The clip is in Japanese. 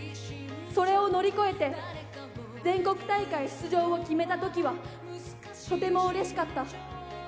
それを乗り越えて、全国大会出場を決めたときは、とてもうれしかった。